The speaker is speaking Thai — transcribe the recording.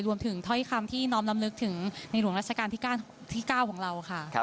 ถ้อยคำที่น้อมลำลึกถึงในหลวงราชการที่๙ของเราค่ะ